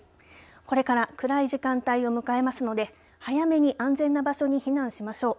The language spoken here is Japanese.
これから暗い時間帯を迎えますので早めに安全な場所に避難しましょう。